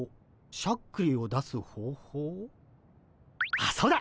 あっそうだ。